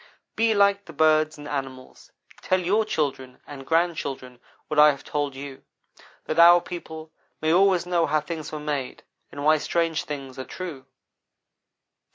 Be like the birds and animals tell your children and grandchildren what I have told you, that our people may always know how things were made, and why strange things are true.